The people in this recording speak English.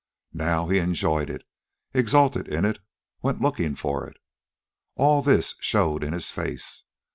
Now he enjoyed it, exulted in it, went looking for it. All this showed in his face.